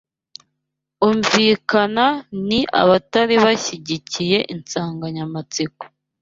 umvikana ni abatari bashyigikiye insanganyamatsiko